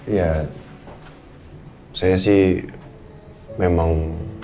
ya saya sih memang